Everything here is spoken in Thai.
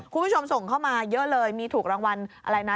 คุณผู้ชมส่งเข้ามาเยอะเลยมีถูกรางวัลอะไรนะ